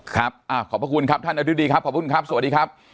ขอบพระคุณครับท่านอธิบดีครับขอบคุณครับสวัสดีครับ